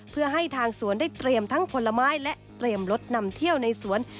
เพื่อให้ทางสวนได้เตรียมทั้งผลไม้และเตรียมรถนำเที่ยวในสวน